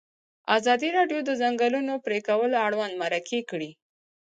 ازادي راډیو د د ځنګلونو پرېکول اړوند مرکې کړي.